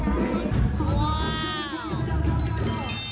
และถามว่ามีอะไรเด็ดแน่